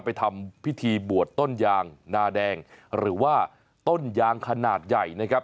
ทำพิธีบวชต้นยางนาแดงหรือว่าต้นยางขนาดใหญ่นะครับ